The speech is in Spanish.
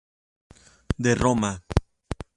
De Roma.